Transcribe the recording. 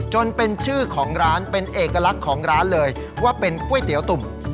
เป็นชื่อของร้านเป็นเอกลักษณ์ของร้านเลยว่าเป็นก๋วยเตี๋ยวตุ่ม